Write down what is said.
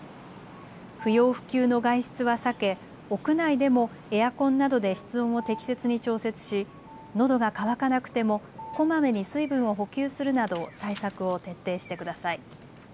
不要不急の外出は避け屋内でもエアコンなどで室温を適切に調節しのどが渇かなくてもこまめに水分を補給するなど対策を徹底してください。